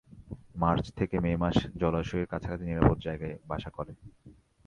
March থেকে May মাসে জলাশয়ের কাছাকাছি নিরাপদ জায়গায় বাসা করে।